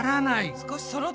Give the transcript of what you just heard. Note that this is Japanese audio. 少しそろってきた。